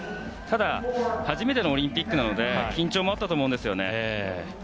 ただ初めてのオリンピックなので緊張もあったと思うんですよね。